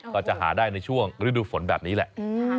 ก็จะหาได้ในช่วงฤดูฝนแบบนี้แหละ